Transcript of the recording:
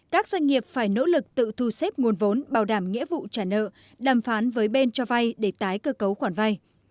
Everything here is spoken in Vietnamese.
các doanh nghiệp phải nỗ lực tự thu xếp nguồn vốn bảo đảm nghĩa vụ trả nợ đàm phán với bên cho vai để tái cơ cấu quản vai